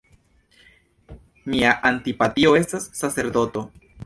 Mia antipatio estas sacerdoto.